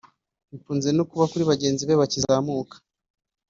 bikunze no kuba kuri bagenzi be bakizamuka